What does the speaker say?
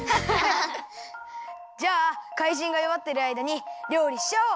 じゃあかいじんがよわってるあいだにりょうりしちゃおう！